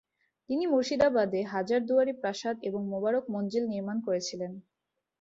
তিনি মুর্শিদাবাদে হাজার দুয়ারী প্রাসাদ এবং মোবারক মঞ্জিল নির্মাণ করেছিলেন।